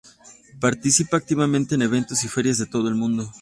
Participa activamente en eventos y ferias de todo el mundo.